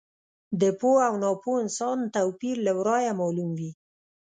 د پوه او ناپوه انسان توپیر له ورایه معلوم وي.